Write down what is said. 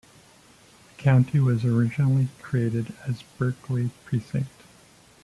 The county was originally created as Berkeley Precinct.